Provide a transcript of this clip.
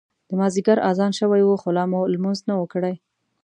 د مازیګر اذان شوی و خو لا مو لمونځ نه و کړی.